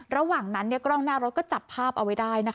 ระหว่างนั้นกล้องหน้ารถก็จับภาพเอาไว้ได้